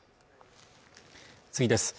次です